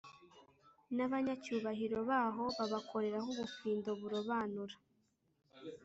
n’abanyacyubahiro baho babakoreraho ubufindo burobanura